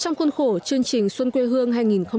trong khuôn khổ chương trình xuân quê hương hai nghìn một mươi tám